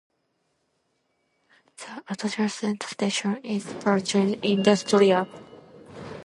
The adjacent station is Parque Industrial.